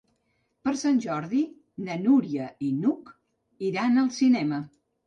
Per Sant Jordi na Núria i n'Hug iran al cinema.